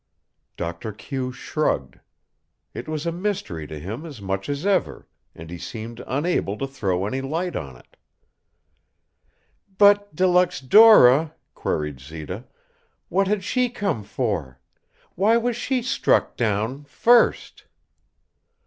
Doctor Q shrugged. It was a mystery to him as much as ever, and he seemed unable to throw any light on it. "But De Luxe Dora," queried Zita. "What had she come for? Why was she struck down first?"